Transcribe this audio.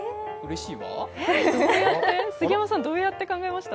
杉山さん、どうやって考えました？